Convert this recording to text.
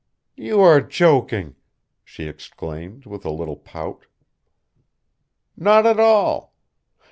"You are joking," she exclaimed with a little pout. "Not at all.